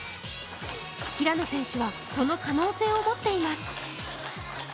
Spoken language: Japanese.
平野選手はその可能性を持っています。